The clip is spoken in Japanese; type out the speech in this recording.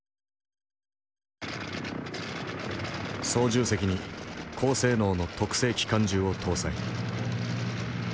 操縦席に高性能の特製機関銃を搭載。